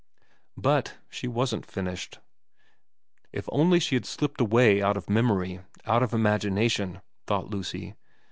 But she wasn't finished. If only she had slipped away out of memory, out of imagination, thought Lucy